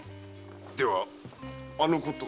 ではあのことを？